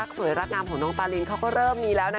สวยรักงามของน้องปารินเขาก็เริ่มมีแล้วนะคะ